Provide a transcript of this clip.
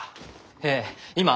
ええ今！